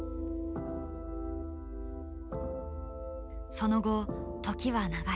その後時は流れ